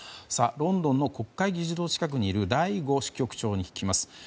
ロンドンの国会議事堂近くにいる醍醐支局長に聞きます。